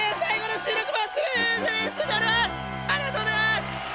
ありがとうございます！